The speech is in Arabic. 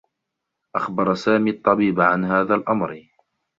أخبر سامي الطّبيب عن هذا الأمر.